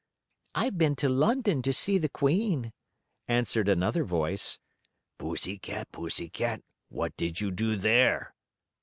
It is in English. "I've been to London to see the Queen," answered another voice. "Pussy cat, pussy cat, what did you do there?"